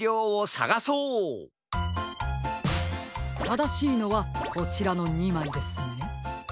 ただしいのはこちらの２まいですね。